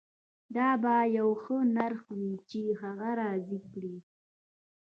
دا به یو ښه نرخ وي چې هغه راضي کړي